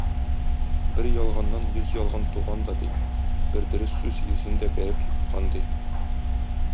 Бер ялганнан йөз ялган туган да ди, бер дөрес сүз йөзен дә бәреп еккан, ди.